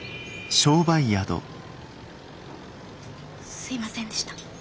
すいませんでした。